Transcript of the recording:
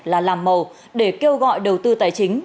là làm màu để kêu gọi đầu tư tài chính